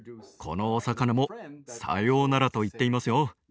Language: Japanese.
このおさかなも「さようなら」と言っていますよ。